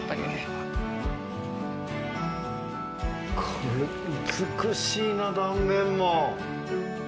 これ美しいな断面も。